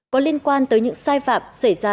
có liên quan tới những sai phạm xảy ra